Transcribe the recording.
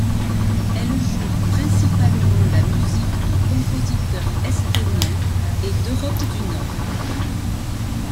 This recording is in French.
Elle joue principalement la musique de compositeurs estoniens et d’Europe du Nord.